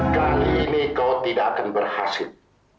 kali ini kau tidak akan berhasil